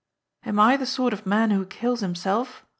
'' Am I the sort of man who kills himself